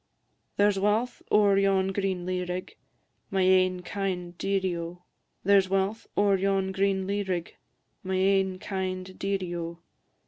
There 's walth ower yon green lea rig, My ain kind dearie, O! There 's walth ower yon green lea rig, My ain kind dearie, O!